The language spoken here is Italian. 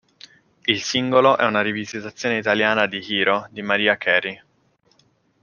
Il singolo è una rivisitazione italiana di "Hero" di Mariah Carey.